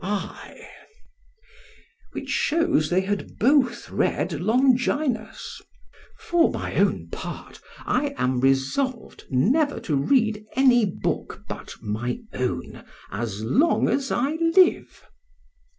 Which shews they had both read Longinus— For my own part, I am resolved never to read any book but my own, as long as I live.